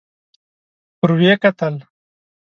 ور ويې کتل.